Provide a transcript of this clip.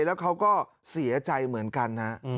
แล้วเขาก็เสียใจเหมือนกันนะ